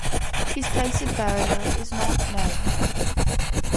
His place of burial is not known.